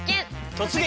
「突撃！